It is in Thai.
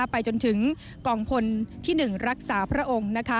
ไปจนถึงกองพลที่๑รักษาพระองค์